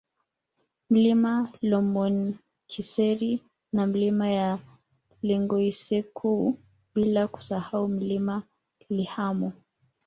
Mlima Lemonkiseri na Milima ya Lengoisoiku bila kusahau Mlima Lihamo